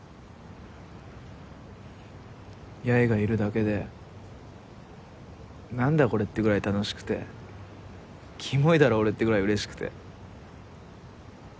八重がいるだけで何だこれってぐらい楽しくてキモいだろ俺ってぐらいうれしくて。